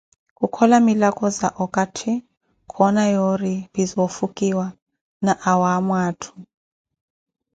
Kukhola milako za okatti, koona yoori pi za ofukiwa na awaamo atthu